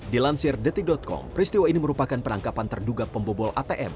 dilansir detik com peristiwa ini merupakan penangkapan terduga pembobol atm